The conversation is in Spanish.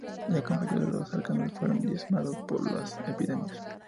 Ya convertidos, los lacandones fueron diezmados por las epidemias.